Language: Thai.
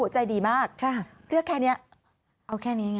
ใจดีมากเรียกแค่นี้เอาแค่นี้ไง